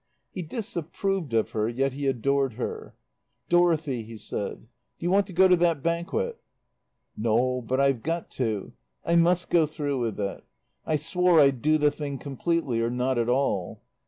He disapproved of her, yet he adored her. "Dorothy," he said, "do you want to go to that banquet?" "No, but I've got to. I must go through with it. I swore I'd do the thing completely or not at all."